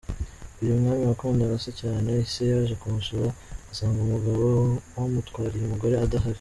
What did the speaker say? Uyu mwana wakundaga se cyane, ise yaje kumusura asanga umugabo wamutwariye umugore adahari.